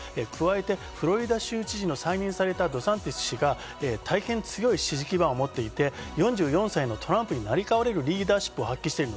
加えてフロリダ州知事のデサンティス氏が大変強い支持基盤を持っていて、４４歳のトランプになりかわれるリーダーシップを発揮している。